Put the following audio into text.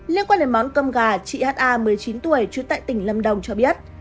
liên quan đến món cơm gà chị ha một mươi chín tuổi trú tại tỉnh lâm đồng cho biết